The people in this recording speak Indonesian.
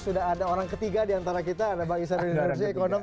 sudah ada orang ketiga diantara kita ada bang iksan dari indonesia ekonomi